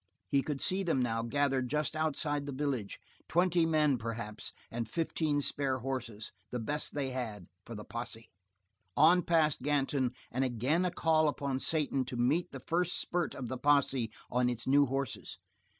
He could see them now gathered just outside the village, twenty men, perhaps and fifteen spare horses, the best they had, for the posse. On past Ganton, and again a call upon Satan to meet the first spurt of the posse on its new horses.